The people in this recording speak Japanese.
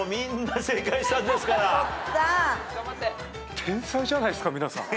天才じゃないですか皆さん。